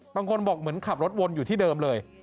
บางคนบอกเหมือนขับรถวนอยู่ที่เดิมเลย